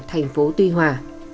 thành phố tuy hòa